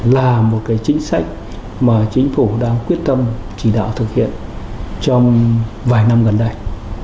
là một chính sách mà chính phủ đang quyết tâm chỉ đạo thực hiện trong vài năm gần đây